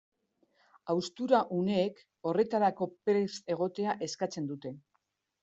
Haustura uneek horretarako prest egotea eskatzen dute.